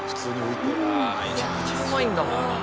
めちゃくちゃうまいんだもんな。